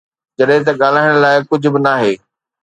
جڏهن ته ڳالهائڻ لاءِ ڪجهه به ناهي.